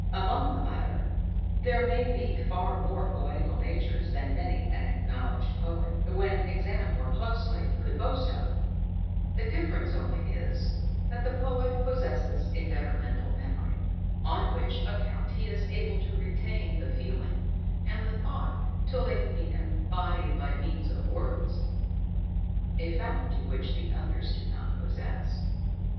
Among the latter there may be far more poetical natures than many an acknowledged poet, when examined more closely, could boast of; the difference only is, that the poet possesses a better mental memory, on which account he is able to retain the feeling and the thought till they can be embodied by means of words; a faculty which the others do not possess.